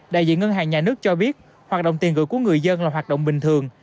đại diện ngân hàng nhà nước cho biết hoạt động tiền gửi của người dân là hoạt động bình thường